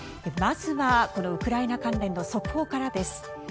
まずはウクライナ関連の速報からです。